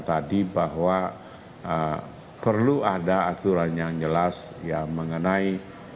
ada aturan yang jelas mengenai